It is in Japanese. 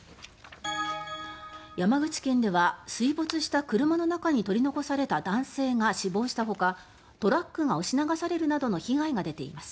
山口県では水没した車の中に取り残された男性が死亡したほかトラックが押し流されるなどの被害が出ています。